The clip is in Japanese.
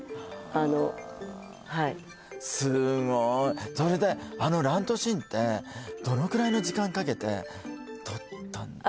あのはいすごーいそれであの乱闘シーンってどのくらいの時間かけて撮ったんですかね